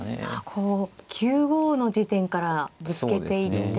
こう９五の地点からぶつけていって。